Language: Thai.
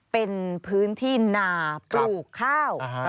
เป็นพื้นที่นาปลูกข้าว